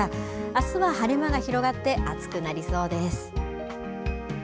あすは晴れ間が広がって暑くなりそうです。